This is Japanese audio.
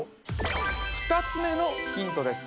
２つ目のヒントです